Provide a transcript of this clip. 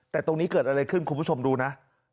แต่ตรงนี้เกิดอะไรขึ้นคุณผู้ชมดูนะ